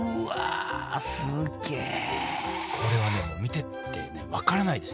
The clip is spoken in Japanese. すげえこれはね見てて分からないです。